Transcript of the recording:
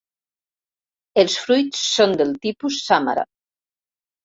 Els fruits són del tipus sàmara.